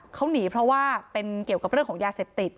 เขาหนีเพราะว่าเป็นเกี่ยวกับเรื่องของยาเสพติด